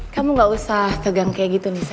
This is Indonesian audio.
kamu gak usah tegang kayak gitu nisa